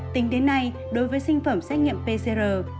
tính đến nay đối với sinh phẩm xét nghiệm pcr